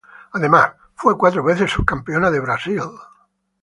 Además, fue cuatro veces subcampeona de Brasil.